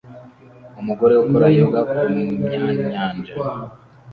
Umugore ukora yoga kumyanyanja